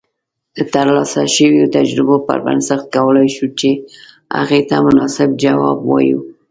د ترلاسه شويو تجربو پر بنسټ کولای شو چې هغې ته مناسب جواب اوایو